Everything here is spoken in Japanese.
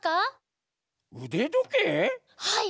はい！